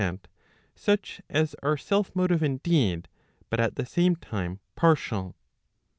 such as are self motive indeed, but at the same time partial